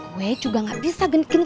gue juga gak bisa genit genit